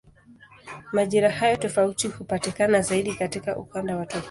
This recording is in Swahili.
Majira hayo tofauti hupatikana zaidi katika ukanda wa tropiki.